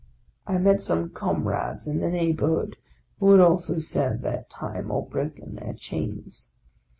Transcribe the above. I met some comrades in the neighbourhood who had also served their time or broken their chains.